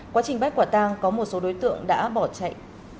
quá trình bắt quả tang có một số đối tượng đã bỏ chạy